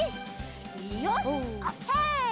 よしオッケー！